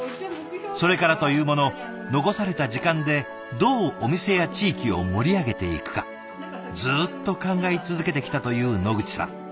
それからというもの残された時間でどうお店や地域を盛り上げていくかずっと考え続けてきたという野口さん。